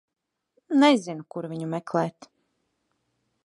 Nezinu, kur viņu meklēt.